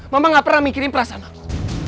mama gak pernah mikirin perasaan aku